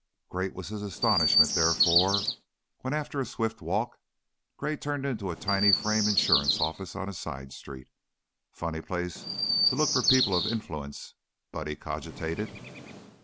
Great was his astonishment, therefore, when after a swift walk Gray turned into a tiny frame insurance office on a side street. Funny place to look for people of influence, Buddy cogitated.